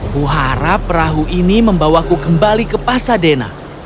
kuharap perahu ini membawaku kembali ke pasadena